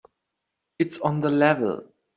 It's on the level.